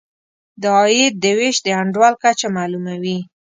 د عاید د وېش د انډول کچه معلوموي.